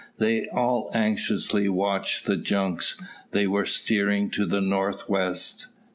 They all anxiously watched the junks; they were steering to the north west.